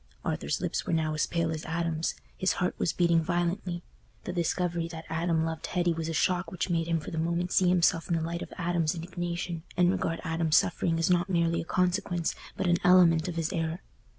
Arthur's lips were now as pale as Adam's; his heart was beating violently. The discovery that Adam loved Hetty was a shock which made him for the moment see himself in the light of Adam's indignation, and regard Adam's suffering as not merely a consequence, but an element of his error.